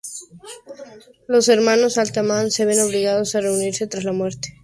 Los hermanos Altman se ven obligados a reunirse tras la muerte de su padre.